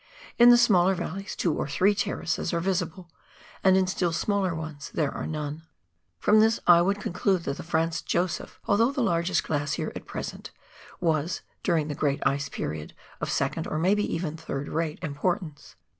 In the smaller valleys two and three terraces are visible, and in still smaller ones there are none. From this I would conclude that the Franz Josef, although the largest glacier at present, was, during the great ice period, of second, or may be third rate importance.